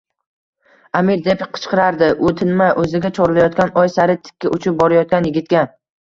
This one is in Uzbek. …«Аmir!» deb qichqirardi u tinmay oʼziga chorlayotgan oy sari tikka uchib borayotgan yigitga.